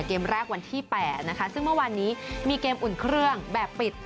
เกมแรกวันที่๘นะคะซึ่งเมื่อวานนี้มีเกมอุ่นเครื่องแบบปิด